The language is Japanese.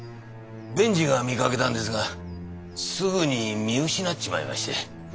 弁治が見かけたんですがすぐに見失っちまいまして。